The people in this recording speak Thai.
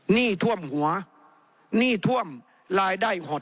หนี้ท่วมหัวหนี้ท่วมรายได้หด